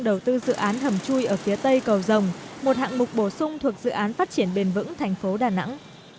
đầu tư dự án hầm chui ở phía tây cầu rồng một hạng mục bổ sung thuộc dự án phát triển bền vững thành phố đà nẵng